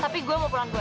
tapi gue mau pulang dulu